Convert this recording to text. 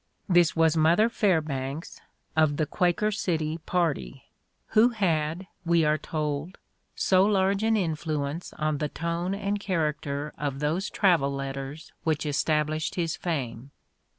This was "Mother" Fairbanks of the Quaker City party, who had, we are told, so large an influence on the tone and character of those travel letters which established his fame.